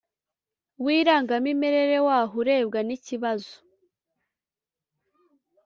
w irangamimerere w aho urebwa n ikibazo